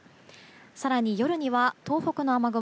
更に夜には東北の雨雲